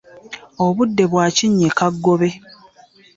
Obudde bwakinyika gobe